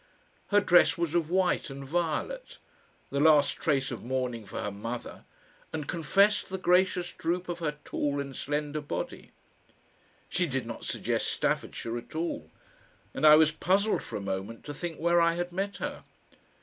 Her dress was of white and violet, the last trace of mourning for her mother, and confessed the gracious droop of her tall and slender body. She did not suggest Staffordshire at all, and I was puzzled for a moment to think where I had met her.